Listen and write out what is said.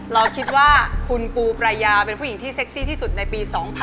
เราคิดว่าคุณปูปรายาเป็นผู้หญิงที่เซ็กซี่ที่สุดในปี๒๕๖๒